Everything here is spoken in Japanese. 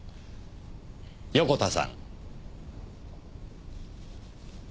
横田さん。